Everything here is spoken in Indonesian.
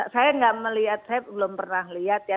saya nggak melihat saya belum pernah lihat ya